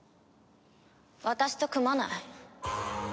私と組まない？